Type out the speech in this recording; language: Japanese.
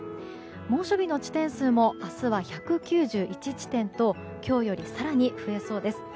猛暑日の地点数も明日は１９１地点と今日より更に増えそうです。